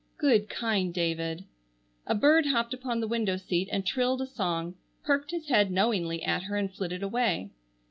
Good kind David! A bird hopped upon the window seat and trilled a song, perked his head knowingly at her and flitted away.